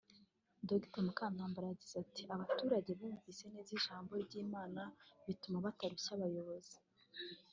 Dr Mukabaramba yagize ati "Abaturage bumvise neza ijambo ry’Imana bituma batarushya abayobozi